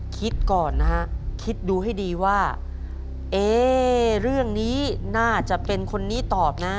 คิดก่อนนะฮะคิดดูให้ดีว่าเอ๊เรื่องนี้น่าจะเป็นคนนี้ตอบนะ